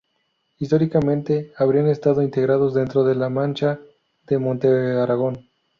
Históricamente habrían estado integrados dentro de La Mancha de Montearagón.